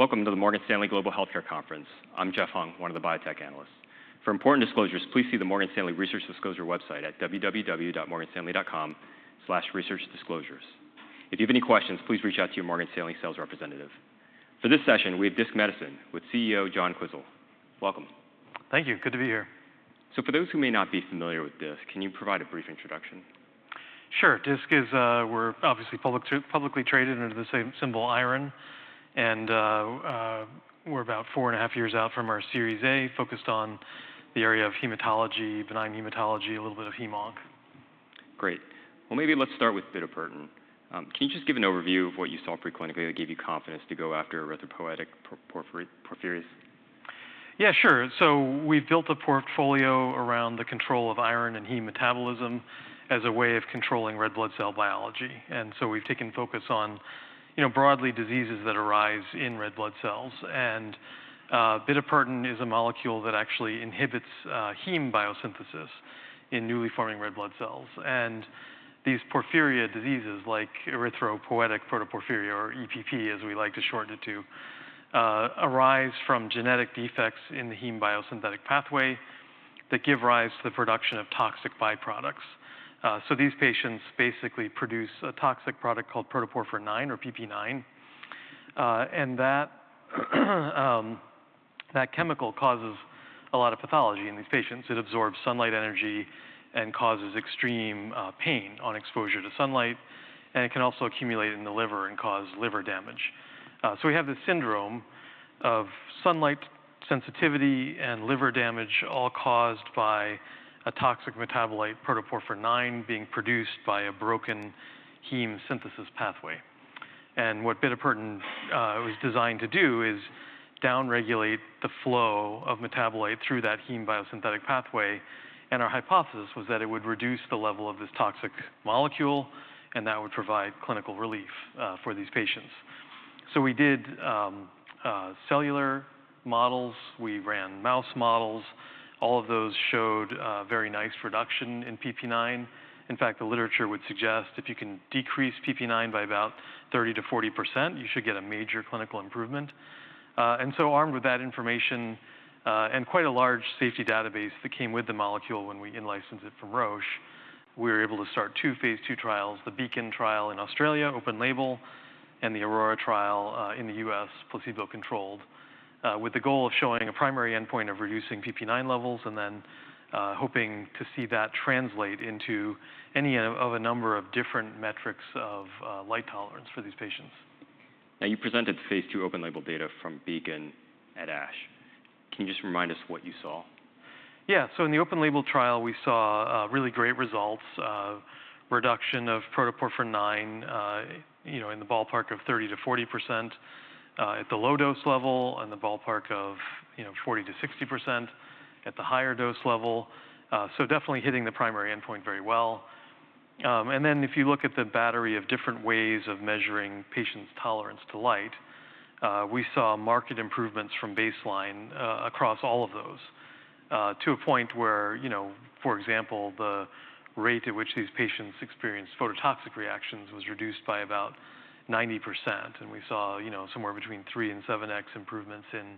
Welcome to the Morgan Stanley Global Healthcare Conference. I'm Jeff Hung, one of the biotech analysts. For important disclosures, please see the Morgan Stanley Research Disclosure website at www.morganstanley.com/researchdisclosures. If you have any questions, please reach out to your Morgan Stanley sales representative. For this session, we have Disc Medicine with CEO, John Quisel. Welcome. Thank you. Good to be here. For those who may not be familiar with Disc, can you provide a brief introduction? Sure. Disc is, we're obviously publicly traded under the same symbol, IRON, and, we're about four and a half years out from our Series A, focused on the area of hematology, benign hematology, a little bit of hemonc. Great. Well, maybe let's start with Bitopertin. Can you just give an overview of what you saw pre-clinically that gave you confidence to go after erythropoietic porphyrias? Yeah, sure. So we've built a portfolio around the control of iron and heme metabolism as a way of controlling red blood cell biology. And so we've taken focus on, you know, broadly, diseases that arise in red blood cells. And Bitopertin is a molecule that actually inhibits heme biosynthesis in newly forming red blood cells. And these porphyria diseases, like erythropoietic protoporphyria, or EPP, as we like to shorten it to, arise from genetic defects in the heme biosynthetic pathway that give rise to the production of toxic byproducts. So these patients basically produce a toxic product called protoporphyrin nine, or PP9, and that chemical causes a lot of pathology in these patients. It absorbs sunlight energy and causes extreme pain on exposure to sunlight, and it can also accumulate in the liver and cause liver damage. So we have this syndrome of sunlight sensitivity and liver damage, all caused by a toxic metabolite, protoporphyrin IX, being produced by a broken heme synthesis pathway. And what Bitopertin was designed to do is down-regulate the flow of metabolite through that heme biosynthetic pathway, and our hypothesis was that it would reduce the level of this toxic molecule, and that would provide clinical relief for these patients. So we did cellular models. We ran mouse models. All of those showed very nice reduction in PP9. In fact, the literature would suggest if you can decrease PP9 by about 30%-40%, you should get a major clinical improvement. And so armed with that information, and quite a large safety database that came with the molecule when we in-licensed it from Roche, we were able to start two phase 2 trials: the BEACON trial in Australia, open label, and the AURORA trial, in the U.S., placebo-controlled, with the goal of showing a primary endpoint of reducing PP9 levels and then, hoping to see that translate into any of a number of different metrics of light tolerance for these patients. Now, you presented phase 2 open label data from BEACON at ASH. Can you just remind us what you saw? Yeah. So in the open label trial, we saw really great results of reduction of protoporphyrin IX, you know, in the ballpark of 30%-40% at the low dose level, and the ballpark of, you know, 40%-60% at the higher dose level. So definitely hitting the primary endpoint very well. And then if you look at the battery of different ways of measuring patients' tolerance to light, we saw marked improvements from baseline across all of those to a point where, you know, for example, the rate at which these patients experienced phototoxic reactions was reduced by about 90%, and we saw, you know, somewhere between 3-7x improvements in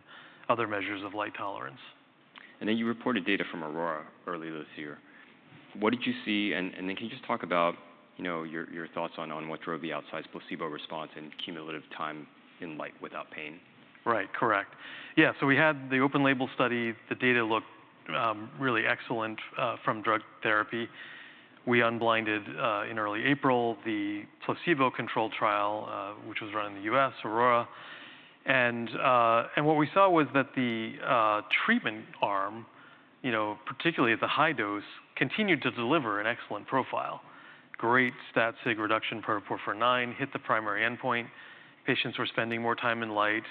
other measures of light tolerance. And then you reported data from AURORA earlier this year. What did you see? And then can you just talk about, you know, your thoughts on what drove the outsized placebo response and cumulative time in light without pain? Right. Correct. Yeah, so we had the open label study. The data looked really excellent from drug therapy. We unblinded in early April the placebo-controlled trial which was run in the U.S., AURORA. What we saw was that the treatment arm, you know, particularly at the high dose, continued to deliver an excellent profile. Great stat sig reduction of PPIX hit the primary endpoint. Patients were spending more time in light.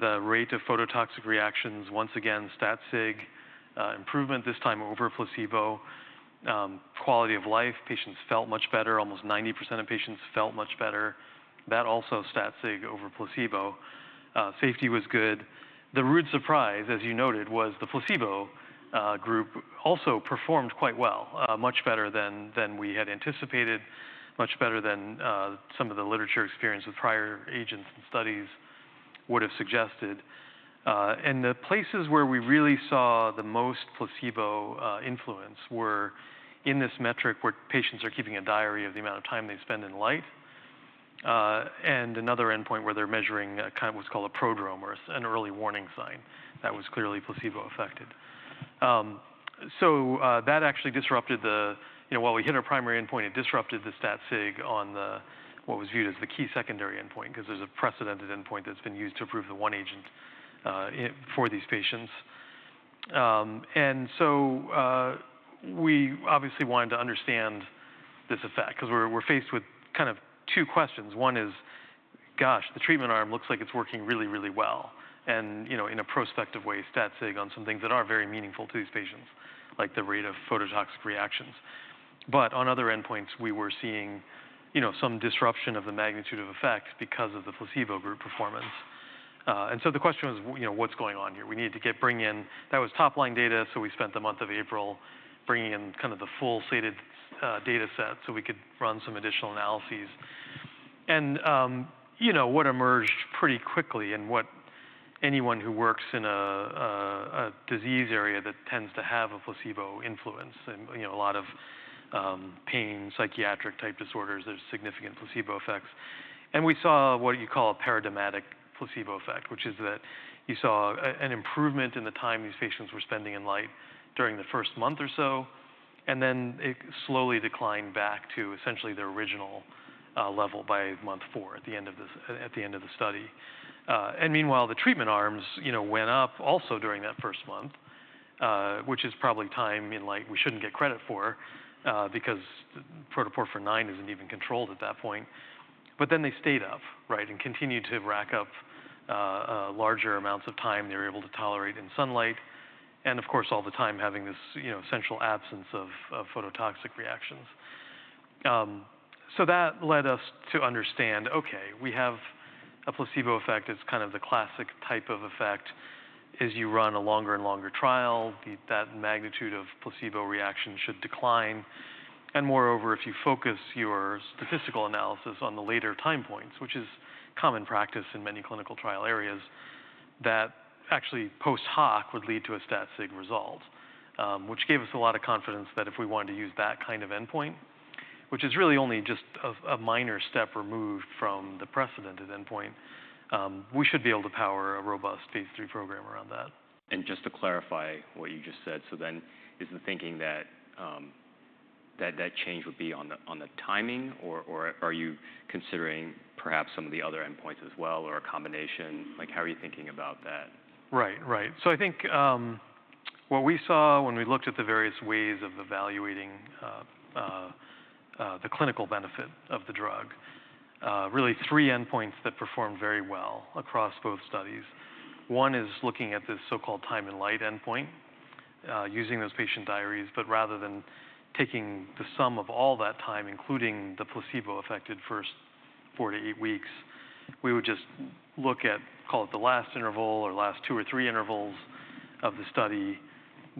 The rate of phototoxic reactions, once again, stat sig improvement, this time over placebo. Quality of life, patients felt much better. Almost 90% of patients felt much better. That also stat sig over placebo. Safety was good. The rude surprise, as you noted, was the placebo group also performed quite well, much better than we had anticipated, much better than some of the literature experience with prior agents and studies would have suggested, and the places where we really saw the most placebo influence were in this metric where patients are keeping a diary of the amount of time they spend in light and another endpoint where they're measuring kind of what's called a prodrome or an early warning sign. That was clearly placebo affected, that actually disrupted the... You know, while we hit our primary endpoint, it disrupted the stat sig on the, what was viewed as the key secondary endpoint, because there's a precedented endpoint that's been used to approve the one agent for these patients. And so we obviously wanted to understand this effect because we're faced with kind of two questions. One is, gosh, the treatment arm looks like it's working really, really well, and you know, in a prospective way, stat sig on some things that are very meaningful to these patients, like the rate of phototoxic reactions. But on other endpoints, we were seeing you know some disruption of the magnitude of effect because of the placebo group performance. And so the question was, you know, what's going on here? We need to get bring in. That was top-line data, so we spent the month of April bringing in kind of the full stated dataset, so we could run some additional analyses. You know, what emerged pretty quickly and what anyone who works in a disease area that tends to have a placebo influence and, you know, a lot of pain, psychiatric type disorders, there's significant placebo effects. We saw what you call a paradigmatic placebo effect, which is that you saw an improvement in the time these patients were spending in light during the first month or so, and then it slowly declined back to essentially their original level by month four, at the end of the study. Meanwhile, the treatment arms, you know, went up also during that first month, which is probably time in light we shouldn't get credit for, because protoporphyrin isn't even controlled at that point. But then they stayed up, right? And continued to rack up larger amounts of time they were able to tolerate in sunlight, and of course, all the time having this, you know, central absence of phototoxic reactions. So that led us to understand, okay, we have a placebo effect. It's kind of the classic type of effect. As you run a longer and longer trial, the magnitude of placebo reaction should decline. And moreover, if you focus your statistical analysis on the later time points, which is common practice in many clinical trial areas, that actually post-hoc would lead to a stat sig result. Which gave us a lot of confidence that if we wanted to use that kind of endpoint, which is really only just a minor step removed from the precedented endpoint, we should be able to power a robust phase III program around that. Just to clarify what you just said, so then is the thinking that that change would be on the timing, or are you considering perhaps some of the other endpoints as well, or a combination? Like, how are you thinking about that? Right. Right. So I think what we saw when we looked at the various ways of evaluating the clinical benefit of the drug really three endpoints that performed very well across both studies. One is looking at this so-called time in light endpoint, using those patient diaries, but rather than taking the sum of all that time, including the placebo-affected first four to eight weeks, we would just look at, call it the last interval or last two or three intervals of the study,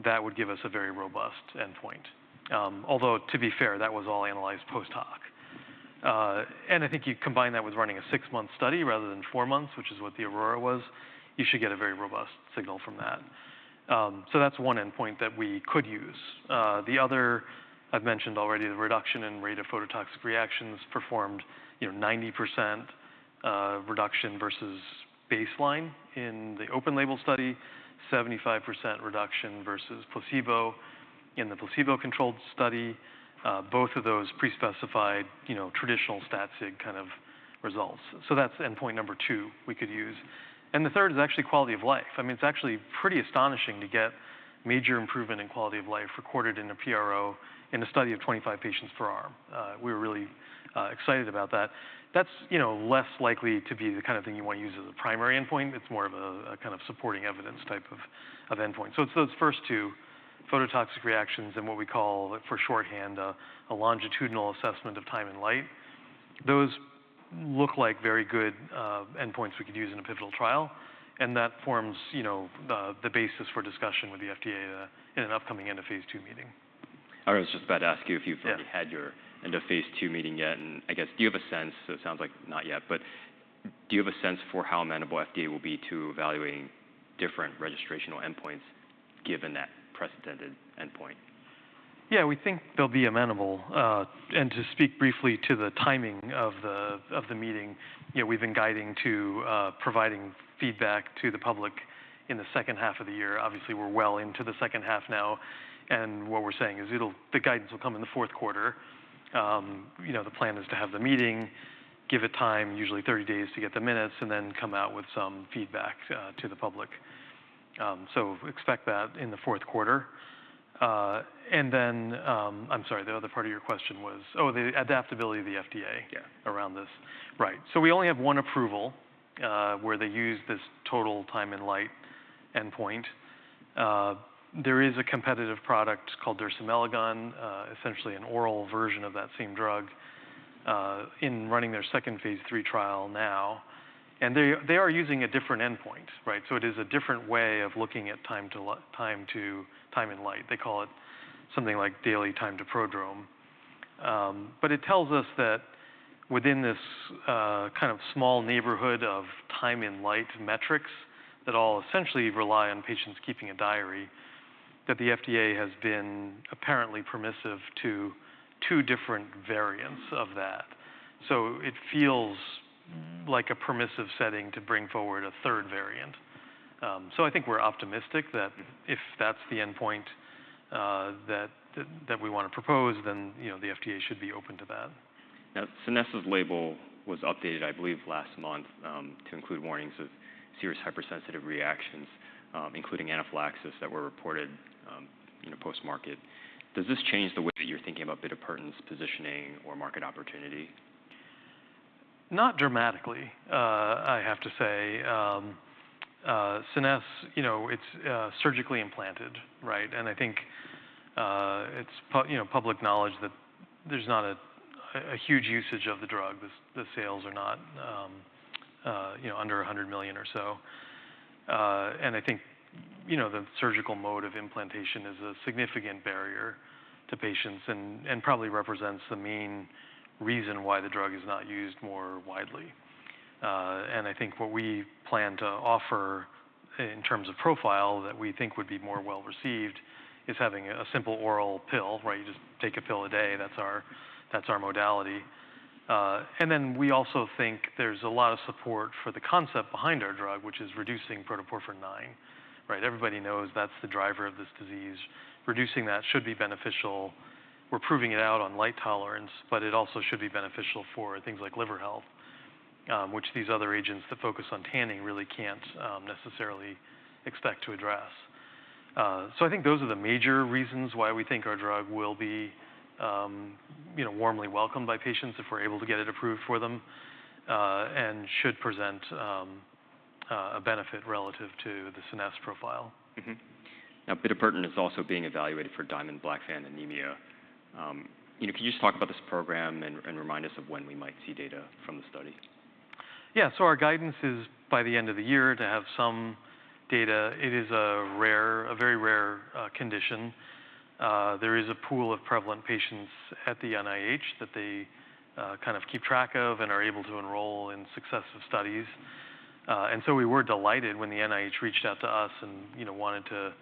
that would give us a very robust endpoint. Although, to be fair, that was all analyzed post-hoc, and I think you combine that with running a six-month study rather than four months, which is what the AURORA was. You should get a very robust signal from that, so that's one endpoint that we could use. The other, I've mentioned already, the reduction in rate of phototoxic reactions performed, you know, 90% reduction versus baseline in the open label study, 75% reduction versus placebo in the placebo-controlled study. Both of those pre-specified, you know, traditional stat sig kind of results. So that's endpoint number 2 we could use. And the third is actually quality of life. I mean, it's actually pretty astonishing to get major improvement in quality of life recorded in a PRO in a study of 25 patients per arm. We were really excited about that. That's, you know, less likely to be the kind of thing you want to use as a primary endpoint. It's more of a kind of supporting evidence type of endpoint. It's those first two phototoxic reactions and what we call, for shorthand, a longitudinal assessment of time and light. Those look like very good endpoints we could use in a pivotal trial, and that forms, you know, the basis for discussion with the FDA in an upcoming end-of-phase II meeting. I was just about to ask you if you've- Yeah ...already had your end-of-phase II meeting yet, and I guess, do you have a sense... So it sounds like not yet, but do you have a sense for how amenable FDA will be to evaluating different registrational endpoints given that precedented endpoint? Yeah, we think they'll be amenable. And to speak briefly to the timing of the meeting, you know, we've been guiding to providing feedback to the public in the second half of the year. Obviously, we're well into the second half now, and what we're saying is it'll, the guidance will come in the fourth quarter. You know, the plan is to have the meeting, give it time, usually thirty days, to get the minutes, and then come out with some feedback to the public. So expect that in the fourth quarter. And then, I'm sorry, the other part of your question was? Oh, the adaptability of the FDA- Yeah Around this. Right. So we only have one approval, where they use this total time in light endpoint. There is a competitive product called Dersimelagon, essentially an oral version of that same drug, is running their second phase 3 trial now, and they are using a different endpoint, right? So it is a different way of looking at time in light. They call it something like daily time to prodrome. But it tells us that within this kind of small neighborhood of time in light metrics, that all essentially rely on patients keeping a diary, that the FDA has been apparently permissive to two different variants of that. So it feels like a permissive setting to bring forward a third variant. So I think we're optimistic that- Mm-hmm. If that's the endpoint that we want to propose, then, you know, the FDA should be open to that. Now, Scenesse's label was updated, I believe, last month, to include warnings of serious hypersensitivity reactions, including anaphylaxis, that were reported, you know, post-market. Does this change the way that you're thinking about Bitopertin's positioning or market opportunity? Not dramatically, I have to say. Scenesse, you know, it's surgically implanted, right? And I think, you know, public knowledge that there's not a huge usage of the drug. The sales are not, you know, under $100 million or so. And I think, you know, the surgical mode of implantation is a significant barrier to patients and probably represents the main reason why the drug is not used more widely. And I think what we plan to offer in terms of profile that we think would be more well-received is having a simple oral pill, right? You just take a pill a day, that's our modality. And then we also think there's a lot of support for the concept behind our drug, which is reducing protoporphyrin nine, right? Everybody knows that's the driver of this disease. Reducing that should be beneficial. We're proving it out on light tolerance, but it also should be beneficial for things like liver health, which these other agents that focus on tanning really can't necessarily expect to address. So I think those are the major reasons why we think our drug will be, you know, warmly welcomed by patients if we're able to get it approved for them, and should present a benefit relative to the Scenesse profile. Mm-hmm. Now, Bitopertin is also being evaluated for Diamond-Blackfan anemia. You know, can you just talk about this program and remind us of when we might see data from the study? Yeah, so our guidance is by the end of the year to have some data. It is a rare - a very rare condition. There is a pool of prevalent patients at the NIH that they kind of keep track of and are able to enroll in successive studies. And so we were delighted when the NIH reached out to us and, you know, wanted to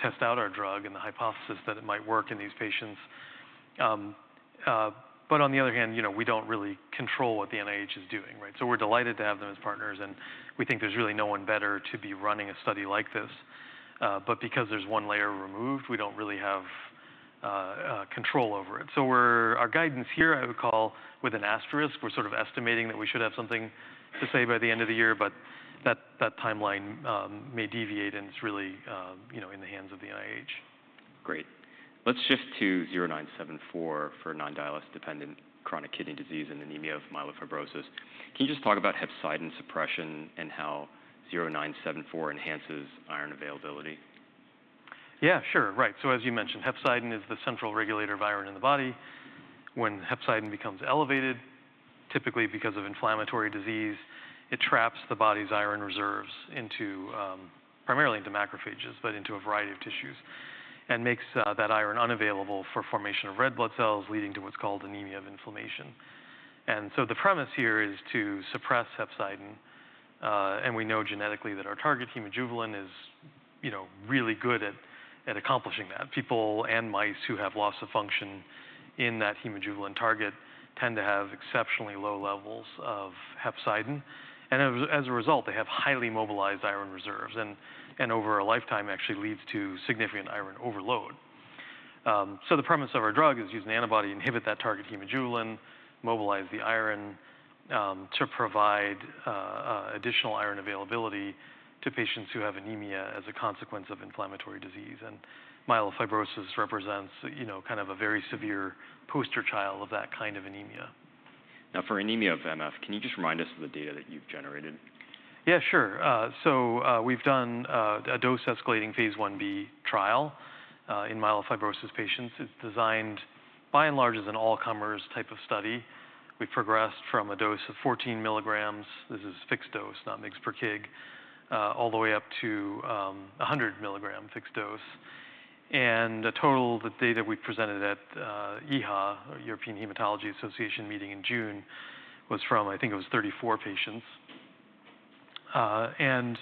test out our drug and the hypothesis that it might work in these patients. But on the other hand, you know, we don't really control what the NIH is doing, right? So we're delighted to have them as partners, and we think there's really no one better to be running a study like this. But because there's one layer removed, we don't really have control over it. Our guidance here, I would call with an asterisk. We're sort of estimating that we should have something to say by the end of the year, but that timeline may deviate, and it's really, you know, in the hands of the NIH. Great. Let's shift to DISC-0974 for non-dialysis dependent chronic kidney disease and anemia of myelofibrosis. Can you just talk about hepcidin suppression and how DISC-0974 enhances iron availability? Yeah, sure. Right. So as you mentioned, hepcidin is the central regulator of iron in the body. When hepcidin becomes elevated, typically because of inflammatory disease, it traps the body's iron reserves into primarily macrophages, but into a variety of tissues, and makes that iron unavailable for formation of red blood cells, leading to what's called anemia of inflammation. And so the premise here is to suppress hepcidin, and we know genetically that our target, hemojuvelin, is you know really good at accomplishing that. People and mice who have loss of function in that hemojuvelin target tend to have exceptionally low levels of hepcidin, and as a result, they have highly mobilized iron reserves, and over a lifetime, actually leads to significant iron overload. So the premise of our drug is use an antibody, inhibit that target, Hemojuvelin, mobilize the iron, to provide additional iron availability to patients who have anemia as a consequence of inflammatory disease, and myelofibrosis represents, you know, kind of a very severe poster child of that kind of anemia. Now, for anemia of MF, can you just remind us of the data that you've generated? Yeah, sure. So, we've done a dose-escalating phase Ib trial in myelofibrosis patients. It's designed, by and large, as an all-comers type of study. We've progressed from a dose of 14 milligrams, this is fixed dose, not mg per kg, all the way up to 100 milligrams fixed dose. And the total, the data we presented at EHA, European Hematology Association meeting in June, was from, I think it was 34 patients. And,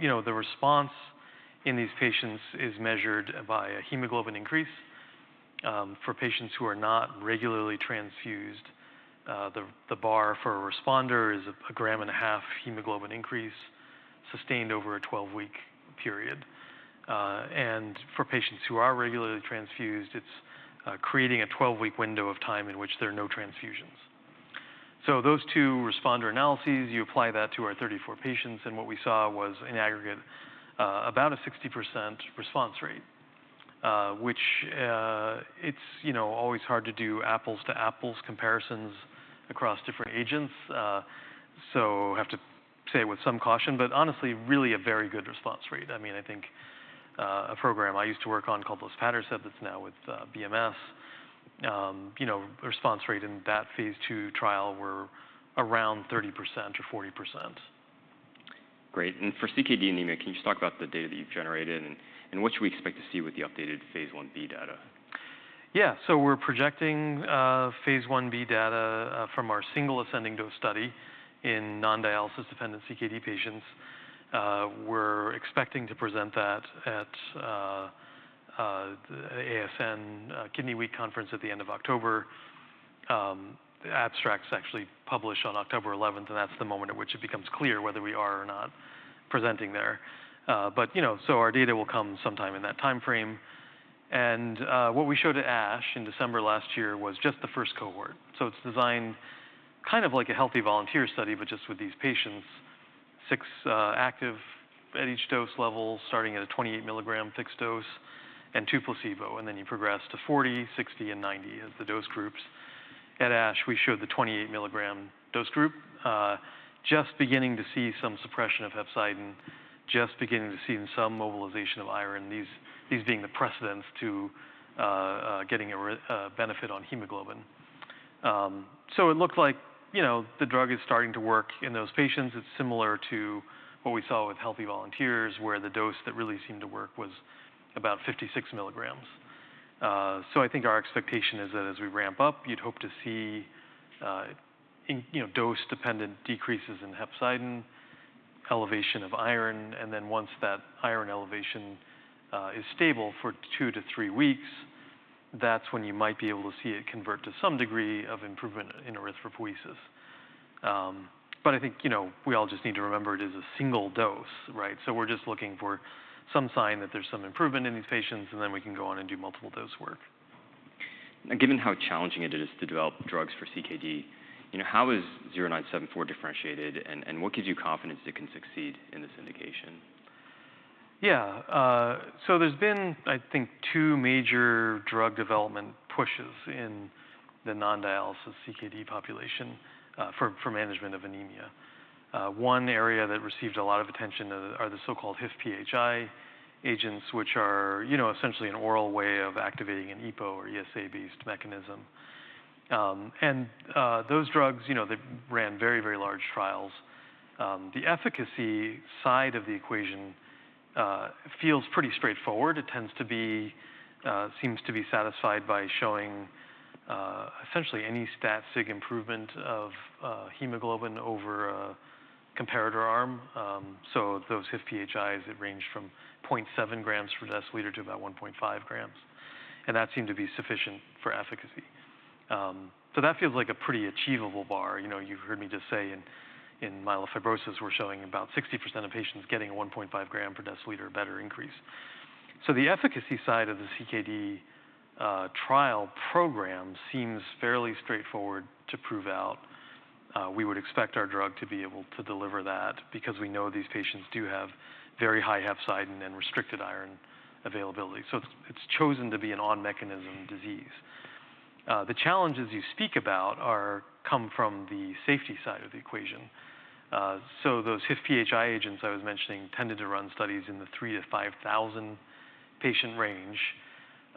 you know, the response in these patients is measured by a hemoglobin increase. For patients who are not regularly transfused, the bar for a responder is a 1.5-gram hemoglobin increase, sustained over a 12-week period. And for patients who are regularly transfused, it's creating a 12-week window of time in which there are no transfusions. So those two responder analyses, you apply that to our thirty-four patients, and what we saw was, in aggregate, about a 60% response rate, which, it's, you know, always hard to do apples to apples comparisons across different agents. So I have to say with some caution, but honestly, really a very good response rate. I mean, I think, a program I used to work on called Luspatercept, that's now with, BMS, you know, the response rate in that phase II trial were around 30% or 40%. Great. And for CKD anemia, can you just talk about the data that you've generated, and what should we expect to see with the updated phase Ib data? Yeah. So we're projecting phase 1b data from our single ascending dose study in non-dialysis dependent CKD patients. We're expecting to present that at ASN Kidney Week conference at the end of October. The abstract's actually published on October eleventh, and that's the moment at which it becomes clear whether we are or not presenting there. But you know so our data will come sometime in that time frame. And what we showed at ASH in December last year was just the first cohort. So it's designed kind of like a healthy volunteer study, but just with these patients. Six active at each dose level, starting at a 28 milligram fixed dose and two placebo, and then you progress to 40, 60, and 90 as the dose groups. At ASH, we showed the 28 milligram dose group. Just beginning to see some suppression of hepcidin, just beginning to see some mobilization of iron. These being the precedents to getting a benefit on hemoglobin. So it looks like, you know, the drug is starting to work in those patients. It's similar to what we saw with healthy volunteers, where the dose that really seemed to work was about 56 milligrams. So I think our expectation is that as we ramp up, you'd hope to see in, you know, dose-dependent decreases in hepcidin, elevation of iron, and then once that iron elevation is stable for two to three weeks, that's when you might be able to see it convert to some degree of improvement in erythropoiesis. But I think, you know, we all just need to remember it is a single dose, right? So we're just looking for some sign that there's some improvement in these patients, and then we can go on and do multiple dose work. Now, given how challenging it is to develop drugs for CKD, you know, how is DISC-0974 differentiated, and what gives you confidence it can succeed in this indication? Yeah, so there's been, I think, two major drug development pushes in the non-dialysis CKD population for management of anemia. One area that received a lot of attention are the so-called HIF-PHI agents, which are, you know, essentially an oral way of activating an EPO or ESA-based mechanism. Those drugs, you know, they ran very, very large trials. The efficacy side of the equation feels pretty straightforward. It tends to be satisfied by showing essentially any stat sig improvement of hemoglobin over a comparator arm. Those HIF-PHIs, it ranged from 0.7 grams per deciliter to about 1.5 grams, and that seemed to be sufficient for efficacy. That feels like a pretty achievable bar. You know, you've heard me just say in myelofibrosis, we're showing about 60% of patients getting a 1.5 gram per deciliter better increase, so the efficacy side of the CKD trial program seems fairly straightforward to prove out. We would expect our drug to be able to deliver that because we know these patients do have very high hepcidin and restricted iron availability, so it's chosen to be an on-mechanism disease. The challenges you speak about come from the safety side of the equation, so those HIF-PHIs I was mentioning tended to run studies in the 3,000-5,000 patient range,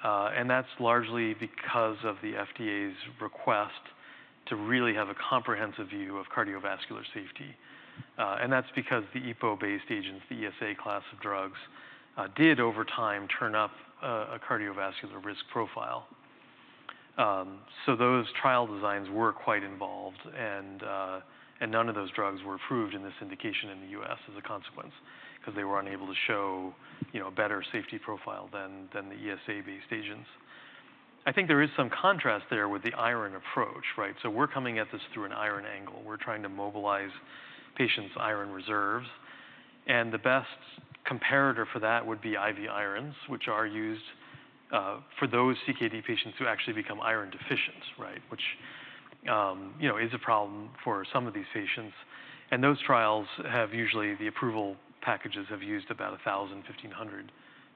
and that's largely because of the FDA's request to really have a comprehensive view of cardiovascular safety. And that's because the EPO-based agents, the ESA class of drugs, did over time turn up a cardiovascular risk profile. So those trial designs were quite involved, and none of those drugs were approved in this indication in the U.S. as a consequence, because they were unable to show, you know, a better safety profile than the ESA-based agents. I think there is some contrast there with the iron approach, right? So we're coming at this through an iron angle. We're trying to mobilize patients' iron reserves, and the best comparator for that would be IV irons, which are used for those CKD patients who actually become iron deficient, right? Which, you know, is a problem for some of these patients. And those trials have usually, the approval packages, have used about 1,000-1,500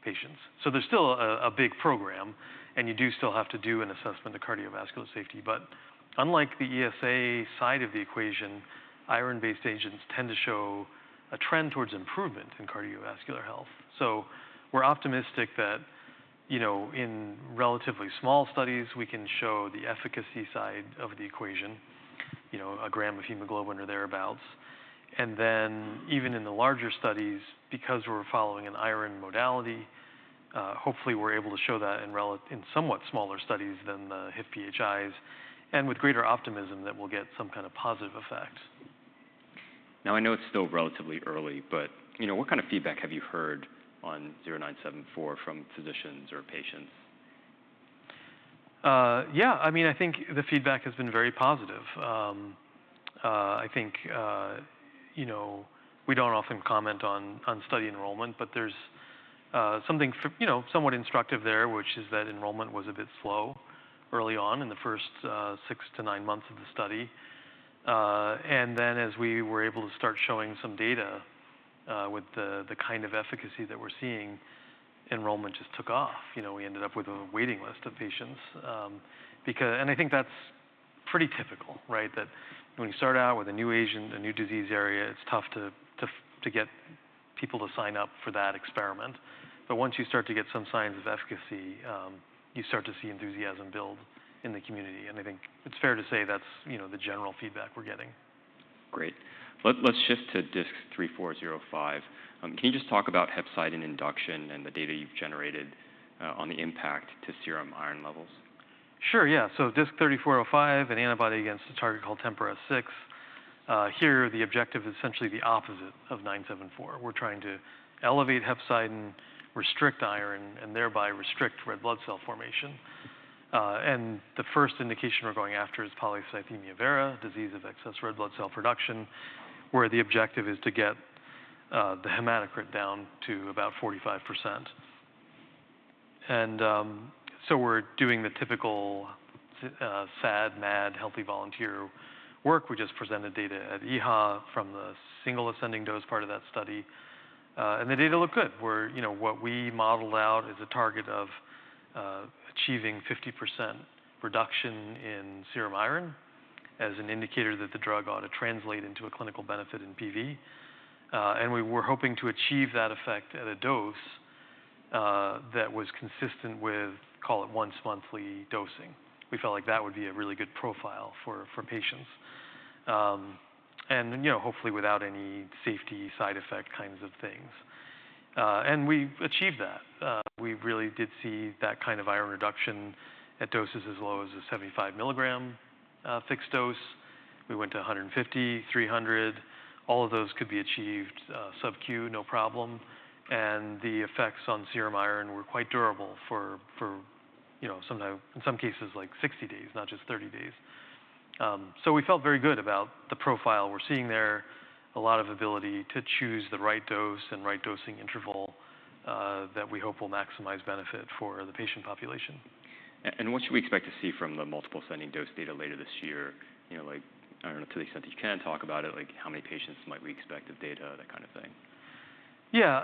patients. There's still a big program, and you do still have to do an assessment of cardiovascular safety. But unlike the ESA side of the equation, iron-based agents tend to show a trend towards improvement in cardiovascular health. We're optimistic that, you know, in relatively small studies, we can show the efficacy side of the equation, you know, a gram of hemoglobin or thereabouts. And then even in the larger studies, because we're following an iron modality, hopefully we're able to show that in somewhat smaller studies than the HIF-PHIs, and with greater optimism that we'll get some kind of positive effect. Now, I know it's still relatively early, but, you know, what kind of feedback have you heard on DISC-0974 from physicians or patients? Yeah, I mean, I think the feedback has been very positive. I think, you know, we don't often comment on study enrollment, but there's something, you know, somewhat instructive there, which is that enrollment was a bit slow early on in the first six to nine months of the study. And then as we were able to start showing some data with the kind of efficacy that we're seeing, enrollment just took off. You know, we ended up with a waiting list of patients, because... and I think that's pretty typical, right? That when you start out with a new agent, a new disease area, it's tough to get people to sign up for that experiment. But once you start to get some signs of efficacy, you start to see enthusiasm build in the community, and I think it's fair to say that's, you know, the general feedback we're getting. Great. Let's shift to DISC-3405. Can you just talk about hepcidin induction and the data you've generated on the impact to serum iron levels? Sure, yeah. So DISC-3405, an antibody against a target called TMPRSS6. Here, the objective is essentially the opposite of DISC-0974. We're trying to elevate hepcidin, restrict iron, and thereby restrict red blood cell formation. And the first indication we're going after is polycythemia vera, a disease of excess red blood cell production, where the objective is to get the hematocrit down to about 45%. So we're doing the typical SAD, MAD, healthy volunteer work. We just presented data at EHA from the single ascending dose part of that study. And the data looked good, where, you know, what we modeled out is a target of achieving 50% reduction in serum iron as an indicator that the drug ought to translate into a clinical benefit in PV. And we were hoping to achieve that effect at a dose that was consistent with, call it, once-monthly dosing. We felt like that would be a really good profile for patients. And you know, hopefully without any safety side effect kinds of things. And we achieved that. We really did see that kind of iron reduction at doses as low as a 75 milligram fixed dose. We went to 150, 300, all of those could be achieved sub-Q, no problem, and the effects on serum iron were quite durable for, you know, sometime in some cases, like 60 days, not just 30 days. So we felt very good about the profile. We're seeing there a lot of ability to choose the right dose and right dosing interval, that we hope will maximize benefit for the patient population. What should we expect to see from the multiple ascending dose data later this year? You know, like, I don't know, to the extent you can talk about it, like, how many patients might we expect the data, that kind of thing? Yeah.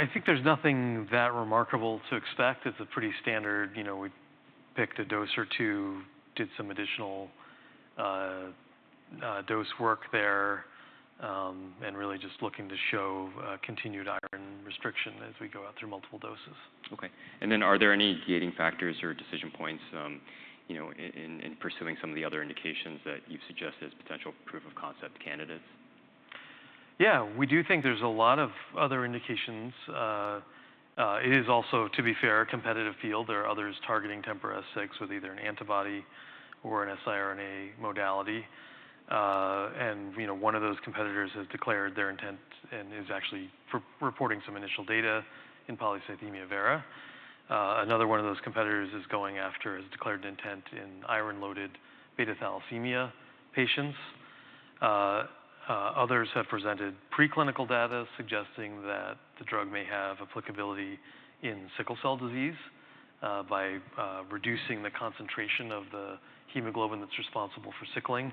I think there's nothing that remarkable to expect. It's a pretty standard. You know, we picked a dose or two, did some additional dose work there, and really just looking to show continued iron restriction as we go out through multiple doses. Okay. And then are there any gating factors or decision points, you know, in pursuing some of the other indications that you've suggested as potential proof of concept candidates? Yeah, we do think there's a lot of other indications. It is also, to be fair, a competitive field. There are others targeting TMPRSS6 with either an antibody or an siRNA modality. And, you know, one of those competitors has declared their intent and is actually reporting some initial data in polycythemia vera. Another one of those competitors has declared intent in iron-loaded beta thalassemia patients. Others have presented preclinical data suggesting that the drug may have applicability in sickle cell disease by reducing the concentration of the hemoglobin that's responsible for sickling.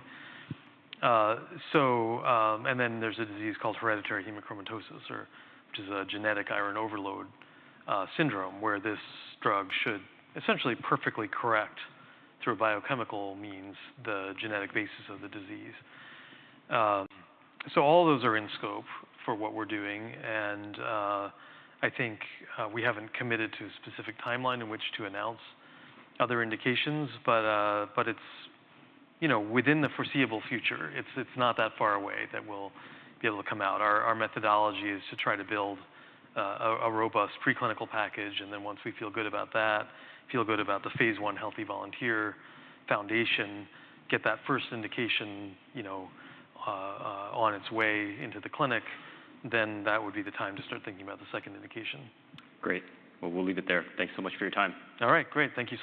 And then there's a disease called hereditary hemochromatosis, which is a genetic iron overload syndrome, where this drug should essentially perfectly correct, through biochemical means, the genetic basis of the disease. So all those are in scope for what we're doing, and I think we haven't committed to a specific timeline in which to announce other indications, but but it's, you know, within the foreseeable future. It's not that far away that will be able to come out. Our methodology is to try to build a robust preclinical package, and then once we feel good about that, feel good about the phase 1 healthy volunteer foundation, get that first indication, you know, on its way into the clinic, then that would be the time to start thinking about the second indication. Great. Well, we'll leave it there. Thanks so much for your time. All right, great. Thank you.